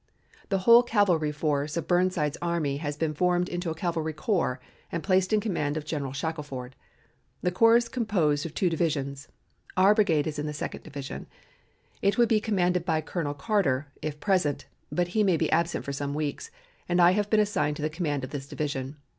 "The whole cavalry force of Burnside's army has been formed into a cavalry corps and placed in command of General Shackelford. The corps is composed of two divisions. Our brigade is in the Second Division. It would be commanded by Colonel Carter, if present, but he may be absent for some weeks, and I have been assigned to the command of this division.